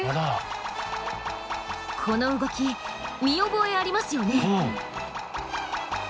この動き見覚えありますよね？